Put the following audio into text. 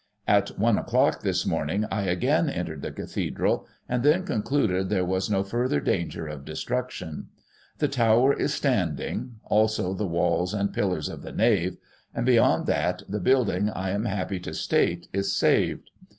" At I o'clock, this morning, I again entered the Cathedral, and then concluded there was no further danger of destruc tion. The tower is standing, also the walls and pillars of the nave; and, beyond that, the building, I am happy to state, is saved.